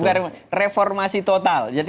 bukan reformasi total